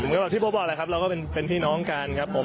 ก็แบบที่ผมบอกแหละครับเราก็เป็นพี่น้องกันครับผม